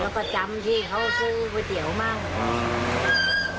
แล้วก็จำที่เขาซื้อก๋วยเตี๋ยวมั่ง